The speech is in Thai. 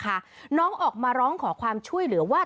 น้องออกมาร้องขอความช่วยเหลือว่า